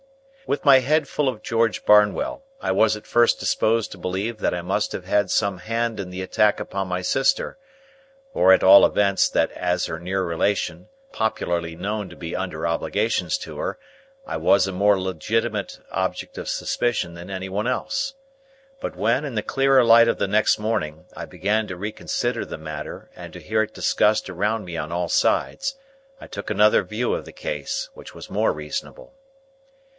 With my head full of George Barnwell, I was at first disposed to believe that I must have had some hand in the attack upon my sister, or at all events that as her near relation, popularly known to be under obligations to her, I was a more legitimate object of suspicion than any one else. But when, in the clearer light of next morning, I began to reconsider the matter and to hear it discussed around me on all sides, I took another view of the case, which was more reasonable.